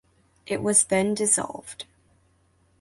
It was then dissolved.